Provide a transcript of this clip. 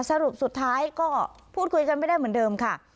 สรุปสุดท้ายก็พูดคุยกันไม่ได้เหมือนเดิมค่ะ